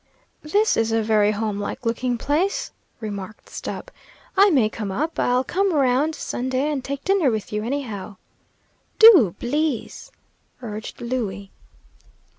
"This is a very home like looking place," remarked Stubb. "I may come up; I'll come around Sunday and take dinner with you, anyhow." "Do, blease," urged Louie.